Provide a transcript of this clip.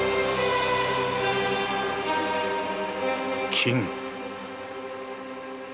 金？